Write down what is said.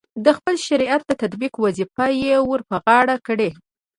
د خپل شریعت د تطبیق وظیفه یې ورپه غاړه کړې.